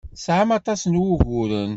Tesɛam aṭas n wuguren.